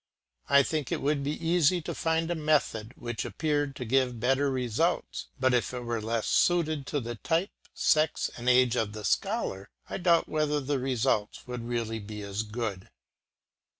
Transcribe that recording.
I think it would be easy to find a method which appeared to give better results, but if it were less suited to the type, sex, and age of the scholar, I doubt whether the results would really be as good.